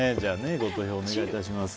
ご投票をお願いします。